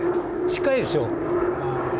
近いでしょ。